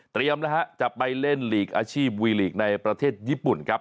นะฮะจะไปเล่นลีกอาชีพวีลีกในประเทศญี่ปุ่นครับ